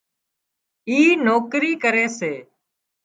اي نوڪري ڪري سي